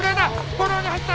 フォローに入った。